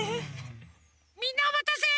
みんなおまたせ！